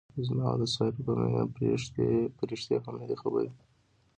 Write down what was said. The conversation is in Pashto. زما او د سارې په مینه پریښتې هم نه دي خبرې.